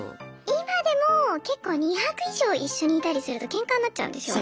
今でもけっこう２泊以上一緒にいたりするとケンカになっちゃうんですよ。